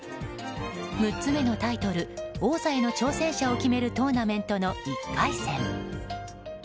６つ目のタイトル王座への挑戦者を決めるトーナメントの１回戦。